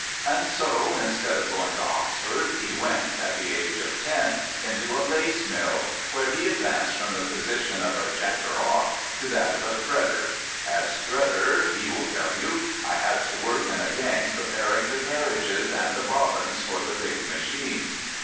And so, instead of going to Oxford, he went, at the age of ten, into a l ^e mill , where he advanced from the position of a " la cker off " to that of a " t hredder. "" As thredder," he will tell you, " I had to work in a gang preparing the ' carriages ' and the ' bobbins ' for the big machines.